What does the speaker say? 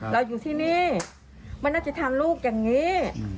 เราอยู่ที่นี่ไม่น่าจะทำลูกอย่างนี้